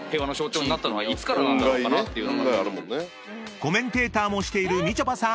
［コメンテーターもしているみちょぱさん！］